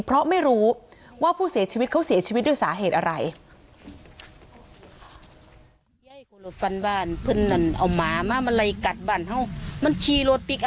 เพราะไม่รู้ว่าผู้เสียชีวิตเขาเสียชีวิตด้วยสาเหตุอะไร